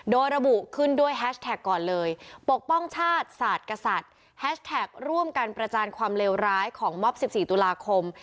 โดยระบุขึ้นด้วยแฮชแท็กก่อนเลยปกป้องชาติศาสตร์กษัตริย์แฮชแท็กร่วมกันประจานความเลวร้ายของมอบ๑๔ตุลาคม